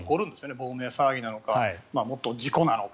亡命騒ぎなのかもっと事故なのか。